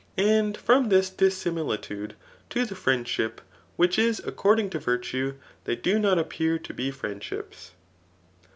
And from this dissimilitude to the friendship which is according to virtue, they do hot appear to be friendships.